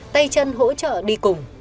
tay chân hỗ trợ đi cùng